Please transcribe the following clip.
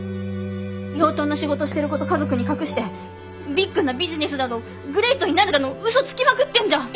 養豚の仕事してること家族に隠してビッグなビジネスだのグレイトになるだのウソつきまくってんじゃん！